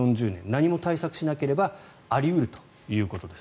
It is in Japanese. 何も対策しなければあり得るということです。